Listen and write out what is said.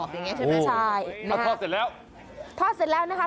อย่างเงี้ใช่ไหมใช่พอทอดเสร็จแล้วทอดเสร็จแล้วนะคะ